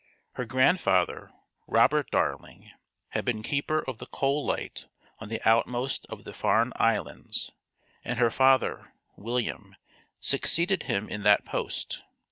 Her grandfather, Robert Darling, had been keeper of the coal light on the outmost of the Farne Islands, and her father, William, succeeded him in that post.